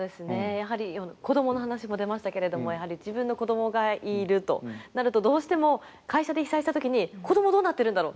やはり子どもの話も出ましたけれども自分の子どもがいるとなるとどうしても会社で被災した時に子どもどうなってるんだろう？